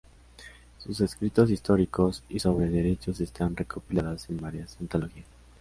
Sus escritos históricos y sobre derechos están recopiladas en varias antologías.